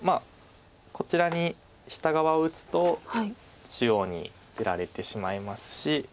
こちらに下側打つと中央に出られてしまいますし。